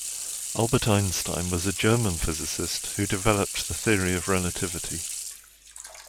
Albert Einstein was a German physicist who developed the Theory of Relativity.